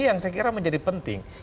yang saya kira menjadi penting